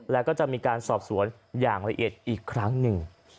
แล้วก็จะมีการสอบสวนอย่างละเอียดอีกครั้งหนึ่ง